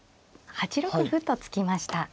８六歩と突きました。